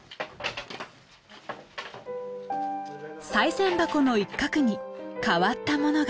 賽銭箱の一角に変わったものが。